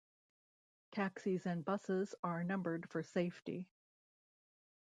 Taxis and buses are numbered for safety.